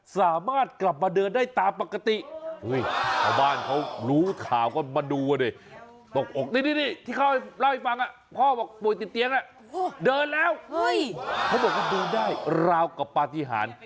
สามารถกลับมาเดินได้ตามปกติ